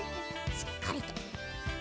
しっかりと。